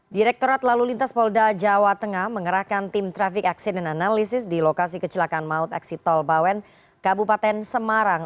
direkturat lalu lintas polda jawa tengah mengerahkan tim trafik aksi dan analisis di lokasi kecelakaan maut aksi tolbawen kabupaten semarang